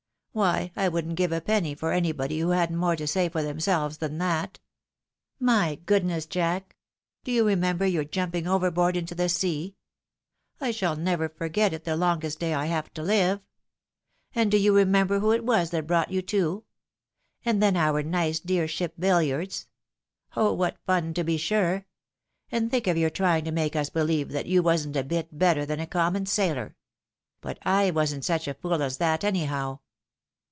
Why, I wouldn't give a penny for anybody who hadn't more to say for themselves than that. My goodness. Jack ! Do you remember your jumping overboard into the sea ? I never shall forget it the longest day I have to hve. And do you remember who it was that brought THE RAPE OF THE LOCK. 241 you to ? And then our nice, dear ship billiards ! Oh, what fun, to be sure !' And think of your trying to make us beUeve that yoii wasn't a bit better than a common sailor ! But I wasn't such a fool as that, anyhow."